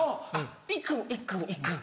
いっくんいっくんいっくん。